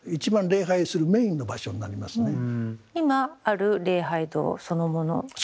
今ある礼拝堂そのものになる？